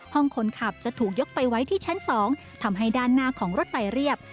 ห้องคนขับจะถูกยกไปไว้ที่ชั้น๒ทำให้ด้านหน้าของรถไฟเรียบ